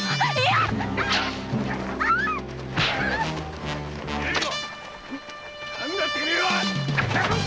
何だてめえは！